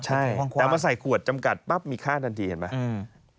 ใช่แต่มาใส่ขวดจำกัดปั๊บมีค่าทันทีเห็นไหม